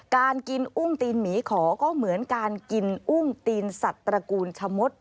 การกินอุ้งตีนหมีขอก็เหมือนการกินอุ้งตีนสัตว์ตระกูลชะมด